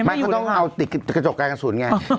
ก็ต้องเอาติดกระจกการกระสุนไง